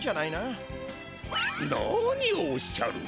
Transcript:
なにをおっしゃる。